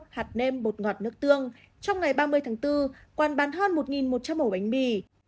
hạt nem bột ngọt nước tương trong ngày ba mươi tháng bốn quán bán hơn một một trăm linh ổ bánh mì